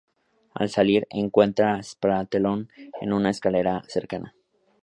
Al salir, encuentra Stapleton en una escalera cercana.